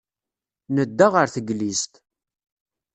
Nedda ɣer teglizt.